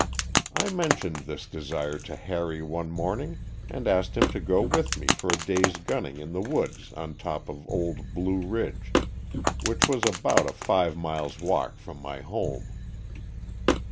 I mentioned this desire to Harry one morning and asked him to go with me for a day's gunning in the woods on top of old Blue Ridge, which was about a five miles' walk from my home.